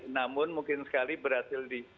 namun mungkin sekali berhasil